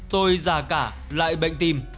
tôi già cả lại bệnh tim